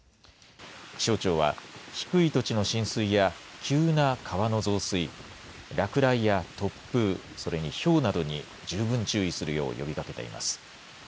気象庁は、低い土地の浸水や急な川の増水、落雷や突風、それにひょうなどに十分注意するよう呼びかけています。